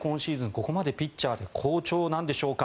ここまでピッチャーで好調なんでしょうか。